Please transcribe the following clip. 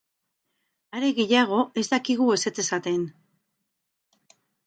Are gehiago, ez dakigu ezetz esaten.